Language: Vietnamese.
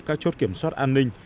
các chốt kiểm soát an ninh